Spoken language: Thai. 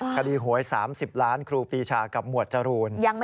คดีหวย๓๐ล้านครูปีชากับหมวดจรูน